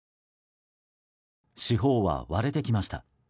司法は割れてきました。